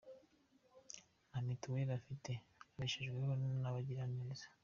Nta mitiweri afite, abeshejweho n’abagira neza.